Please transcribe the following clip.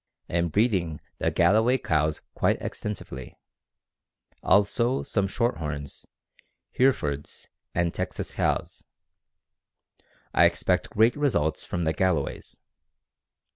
Am breeding the Galloway cows quite extensively; also some Shorthorns, Herefords, and Texas cows. I expect best results from the Galloways.